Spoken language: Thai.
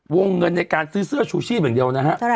วงเงินในการซื้อเสื้อชูชีพอย่างเดียวนะฮะ